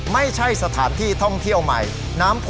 ไม่ใช่สถานที่ท่องเที่ยวใหม่